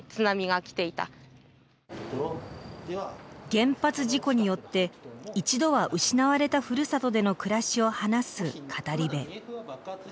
原発事故によって一度は失われたふるさとでの暮らしを話す語り部。